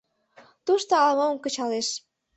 Тушто ала-мом кычалеш.